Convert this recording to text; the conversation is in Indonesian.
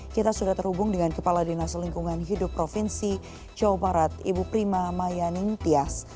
kita sudah terhubung dengan kepala dinas lingkungan hidup provinsi jawa barat ibu prima mayaning tias